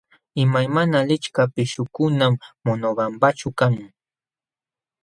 Imaymana lichka pishqukunam Monobambaćhu kan.